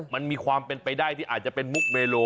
มันมีความเป็นไปได้ที่อาจจะเป็นมุกเมโล